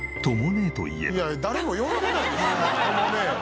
いや誰も呼んでないですよとも姉。